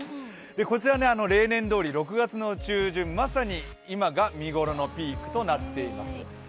こちら例年どおり６月の中旬、まさに今が見頃のピークとなっています。